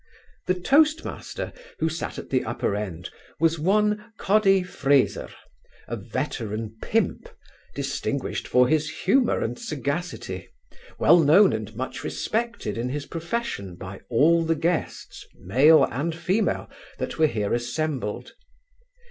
The toast master, who sat at the upper end, was one Cawdie Fraser, a veteran pimp, distinguished for his humour and sagacity, well known and much respected in his profession by all the guests, male and female, that were here assembled.